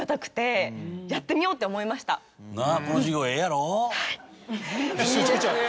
はい。